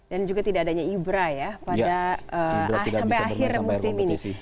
dan juga tidak adanya ibra ya sampai akhir musim ini